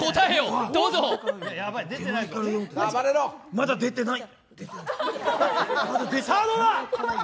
まだ出てない。